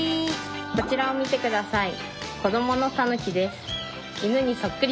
こちらを見てください。